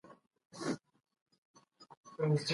د ډیپلوماټیکو اسنادو له مخې فردي حقوق نه پیاوړي کیږي.